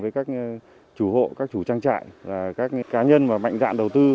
với các chủ hộ các chủ trang trại các cá nhân mạnh dạng đầu tư